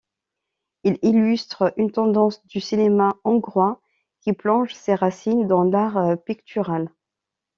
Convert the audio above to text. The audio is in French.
Il illustre une tendance du cinéma hongrois qui plonge ses racines dans l'art pictural.